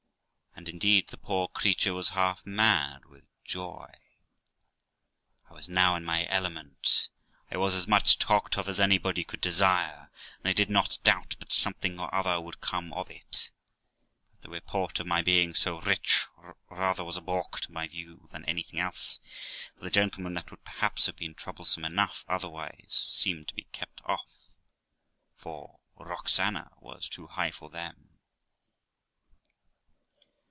And indeed the poor creature was half mad with joy. I was now in my element. I was as much talked of as anybody could desire, and I did not doubt but something or other would come of it; but the report of my being so rich rather was a balk to my view than anything else; for the gentlemen that would perhaps have been troublesome enough otherwise, seemed to be kept off, for Roxana was too high for them.